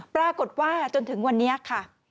ปรากฏว่าจนถึงวันนี้ค่ะ